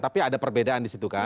tapi ada perbedaan disitu kan